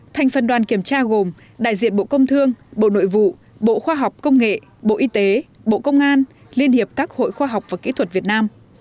thành phần đoàn kiểm tra gồm đại diện bộ công thương bộ nội vụ bộ khoa học công nghệ bộ y tế bộ công an liên hiệp các hội khoa học và kỹ thuật việt nam